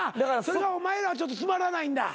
それがお前らはちょっとつまらないんだ。